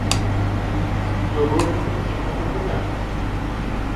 তবুও কি তোমরা চিন্তা করবে না?